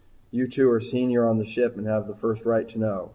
"You two are senior on the ship and have the first right to know."